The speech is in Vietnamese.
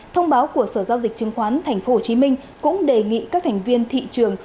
thông báo của sở giao dịch chứng khoán tp hcm cũng đề nghị các thành viên thị trường